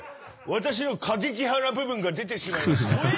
私の過激派な部分が出てしまいました。